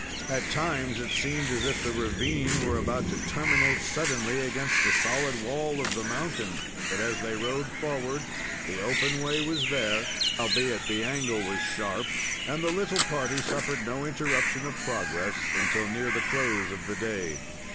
At times it seemed as if the ravine were about to terminate suddenly against the solid wall of the mountain, but, as they rode forward, the open way was there, albeit the angle was sharp, and the little party suffered no interruption of progress until near the close of the day.